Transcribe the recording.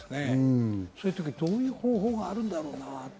そういう時、どういう方法があるんだろうな。